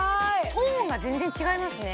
トーンが全然違いますね